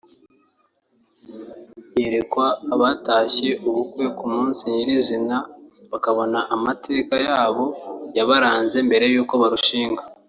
yerekwa abatashye ubukwe ku munsi nyirizina bakabona amateka yabo yabaranze mbere y’uko barushinga